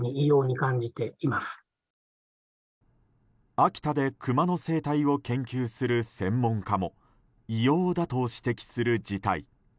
秋田でクマの生態を研究する専門家も異様だと指摘する事態。